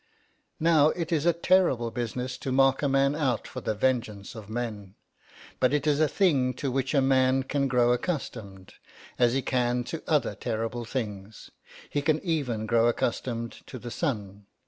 ..... Now it is a terrible business to mark a man out for the vengeance of men. But it is a thing to which a man can grow accustomed, as he can to other terrible things; he can even grow accustomed to the sun.